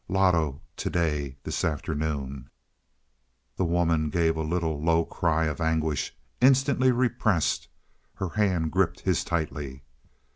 "Loto, to day this afternoon " The woman gave a little, low cry of anguish, instantly repressed. Her hand gripped his tightly.